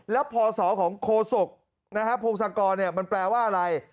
แล้วพศของโคศกพงศกรมันแปลว่าอะไร